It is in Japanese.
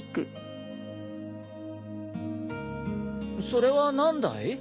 それは何だい？